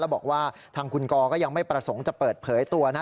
บอกว่าทางคุณกอก็ยังไม่ประสงค์จะเปิดเผยตัวนะ